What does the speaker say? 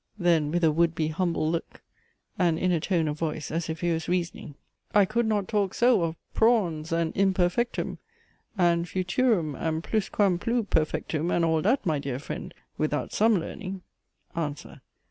(then with a would be humble look, and in a tone of voice as if he was reasoning) I could not talk so of prawns and imperfectum, and futurum and plusquamplue perfectum, and all dhat, my dear friend! without some lehrning? ANSWER.